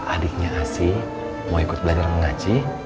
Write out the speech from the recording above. adiknya asi mau ikut belajar mengaji